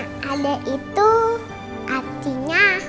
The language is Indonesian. pemilik adik itu artinya